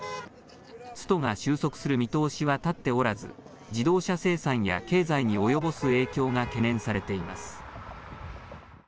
ストが収束する見通しは立っておらず自動車生産や経済に及ぼす影響が懸念されています。